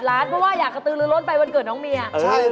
แล้วก็ค่อยย่องไปห้องน้องเมีย